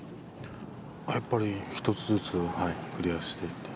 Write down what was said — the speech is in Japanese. やっぱり１つずつクリアしていって